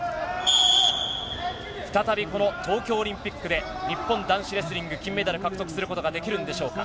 再び、この東京オリンピックで日本男子レスリング金メダルを獲得することができるんでしょうか。